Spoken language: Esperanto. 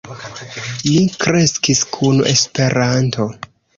Mi kreskis kun Esperanto.